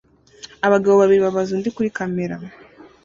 Abagabo babiri babaza undi kuri kamera